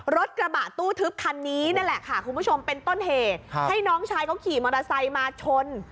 รถกระบะตู้ทึบคันนี้นั่นแหละค่ะคุณผู้ชมเป็นต้นเหตุให้น้องชายเขาขี่มอเตอร์ไซค์มาชน